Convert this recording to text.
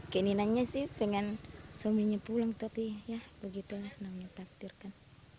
keinginannya sih pengen suaminya pulang tapi ya begitulah namanya takdirkan